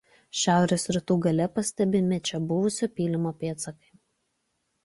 Šiaurės rytų gale pastebimi čia buvusio pylimo pėdsakai.